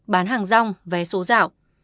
bán hàng rong vé số rào